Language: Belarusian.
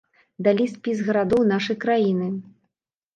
Далі спіс гарадоў нашай краіны.